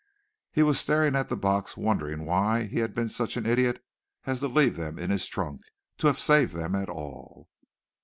He was staring at the box wondering why he had been such an idiot as to leave them in his trunk, to have saved them at all.